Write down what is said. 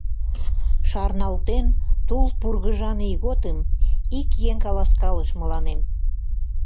Шарналтен тул пургыжан ийготым, Ик еҥ каласкалыш мыланем.